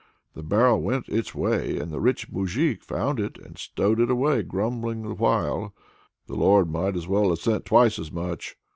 The barrel went its way, and the rich moujik found it, and stowed it away, grumbling the while: "The Lord might as well have sent twice as much!"